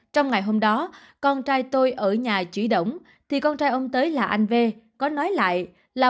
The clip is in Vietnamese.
trong ngày hôm đó con trai tôi ở nhà chỉ đồng thì con trai ông tới là anh v có nói lại là